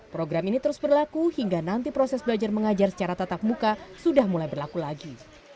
program ini terus berlaku hingga nanti proses belajar mengajar secara tatap muka sudah mulai berlaku lagi